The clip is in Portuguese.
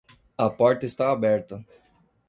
A porta está aberta